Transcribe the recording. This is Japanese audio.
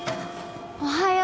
おはよう。